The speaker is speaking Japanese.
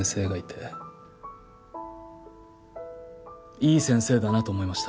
いい先生だなと思いました。